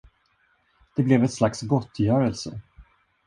Det blev ett slags gottgörelse.